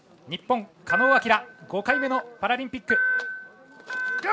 日本、狩野亮５回目のパラリンピック。